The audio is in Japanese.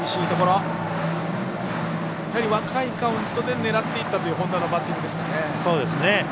若いカウントで狙っていったという本多のバッティングですね。